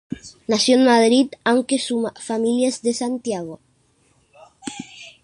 Nació en Madrid, aunque su familia es de Santiago.